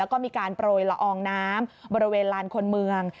แล้วก็มีการโปรยละอองน้ำบริเวณลานคนเมือง